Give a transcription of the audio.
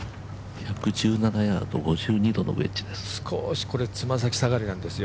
１１７ヤード、５２度のウェッジです。